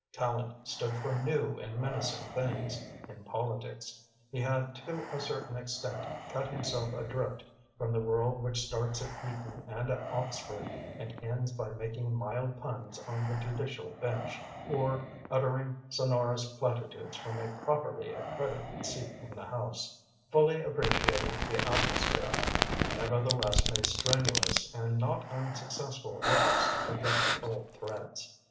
Tallente stood for new and menacing things in politics. He had to a certain extent cut himself adrift from the world which starts at Eton and Oxford and ends by making mild puns on the judicial bench, or uttering sonorous platitudes from a properly accredited seat in the House. Tallente, fully appreciating the atmosphere, nevertheless made strenuous and not unsuccessful efforts to pick up the old threads.